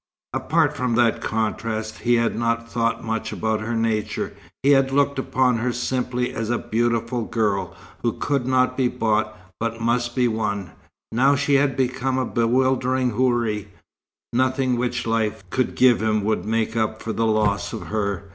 Apart from that contrast, he had not thought much about her nature. He had looked upon her simply as a beautiful girl, who could not be bought, but must be won. Now she had become a bewildering houri. Nothing which life could give him would make up for the loss of her.